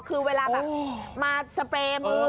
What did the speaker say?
คือเวลาแบบมาสเปรย์มือ